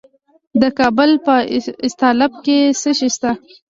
د کابل په استالف کې څه شی شته؟